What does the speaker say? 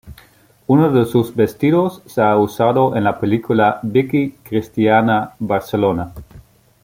Uno de sus vestidos se ha usado en la película "Vicky Cristina Barcelona".